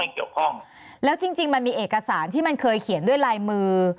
เกี่ยวข้องแล้วจริงจริงมันมีเอกสารที่มันเคยเขียนด้วยลายมือ